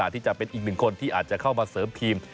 ที่จะเป็นอีกหนึ่งคนที่อาจจะเข้ามาเสริมทีม